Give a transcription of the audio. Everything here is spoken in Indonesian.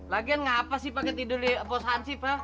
lagian ngapa sih pake tidur di pos hansip ha